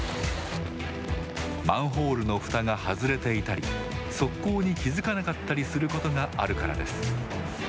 マンホールのふたが外れていたり側溝に気付かなかったりすることがあるからです。